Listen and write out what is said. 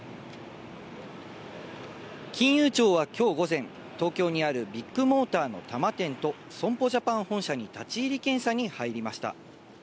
金融庁はきょう午前、東京にあるビッグモーターの多摩店と、損保ジャパン本社に立ち入り検査に入りました。